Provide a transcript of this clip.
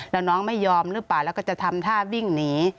แล้วน้องไม่ยอมหรือเปล่าแล้วก็จะทำท่าวิ่งหนี